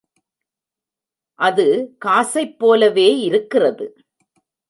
அது காசைப் போலவே இருக்கிறது.